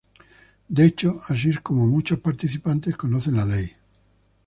De hecho, así es como muchos participantes conocen la ley.